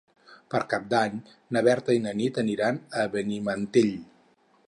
Per Cap d'Any na Berta i na Nit aniran a Benimantell.